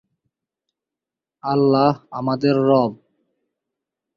এই কাজের জন্য তিনি শ্রেষ্ঠ অভিনেত্রী বিভাগে ন্যাশনাল বোর্ড অব রিভিউ পুরস্কার অর্জন করেন।